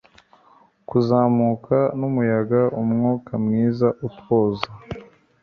kuzamuka n'umuyaga umwuka mwiza utwoza